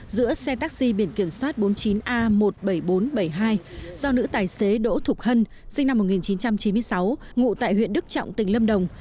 giữa xe taxi biển kiểm soát bốn mươi chín a một mươi bảy nghìn bốn trăm bảy mươi hai do nữ tài xế đỗ thục hân sinh năm một nghìn chín trăm chín mươi sáu ngụ tại huyện đức trọng tỉnh lâm đồng